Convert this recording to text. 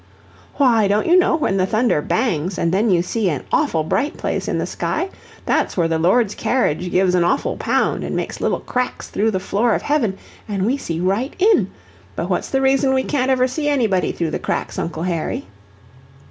"Why, don't you know when the thunder bangs, and then you see an awful bright place in the sky? that's where the Lord's carriage gives an awful pound, and makes little cracks through the floor of heaven, an' we see right in. But what's the reason we can't ever see anybody through the cracks, Uncle Harry?"